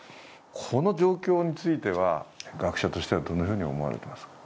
この状況については、学者としてはどんなふうに思われていますか？